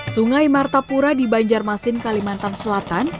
sungai martapura di banjarmasin kalimantan selatan